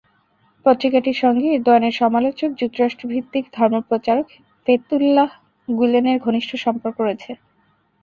পত্রিকাটির সঙ্গে এরদোয়ানের সমালোচক যুক্তরাষ্ট্রভিত্তিক ধর্মপ্রচারক ফেতুল্লাহ গুলেনের ঘনিষ্ঠ সম্পর্ক রয়েছে।